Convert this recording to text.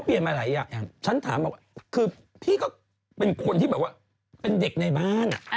มาหลายอย่างฉันถามบอกคือพี่ก็เป็นคนที่แบบว่าเป็นเด็กในบ้าน